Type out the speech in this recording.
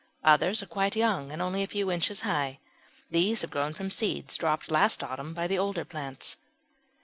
Others are quite young and only a few inches high. These have grown from seeds dropped last autumn by the older plants.